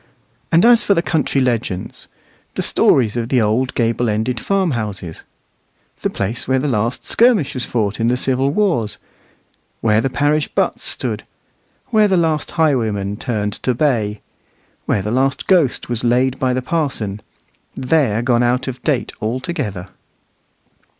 And as for the country legends, the stories of the old gable ended farmhouses, the place where the last skirmish was fought in the civil wars, where the parish butts stood, where the last highwayman turned to bay, where the last ghost was laid by the parson, they're gone out of date altogether.